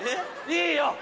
いいよ